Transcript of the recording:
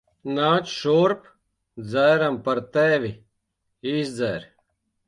Nāc šurp. Dzeram par tevi. Izdzer.